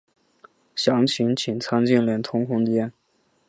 详情请参见连通空间。